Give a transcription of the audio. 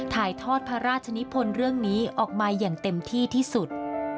ถ่ายทอดพระราชนิพลเรื่องนี้ออกมาอย่างเต็มที่ที่สุด